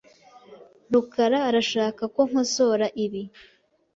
rukara arashaka ko nkosora ibi .